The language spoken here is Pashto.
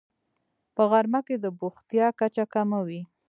په غرمه کې د بوختیا کچه کمه وي